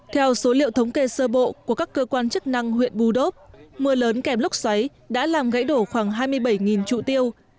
theo số liệu thống kê sơ bộ của các cơ quan chức năng huyện bù đốp mưa lớn kèm lốc xoáy đã làm gãy đổ khoảng hai mươi bảy trụ tiêu